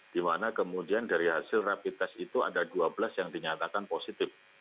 di mana kemudian dari hasil rapid test itu ada dua belas yang dinyatakan positif